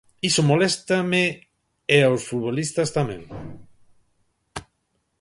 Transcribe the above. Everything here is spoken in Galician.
Iso moléstame e aos futbolistas tamén.